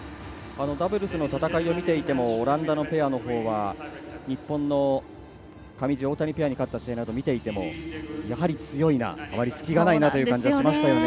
ダブルスの戦いを見ていてもオランダのペアのほうは日本の上地、大谷ペアに勝った試合などを見ていてもやはり強いな、隙がないなという感じがしましたよね。